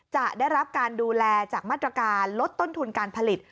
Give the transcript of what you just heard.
จะได้รับการดูแลจากมาตรการลดต้นทุนการผลิต